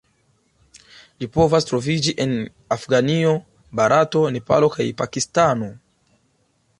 Ĝi povas troviĝi en Afganio, Barato, Nepalo kaj Pakistano.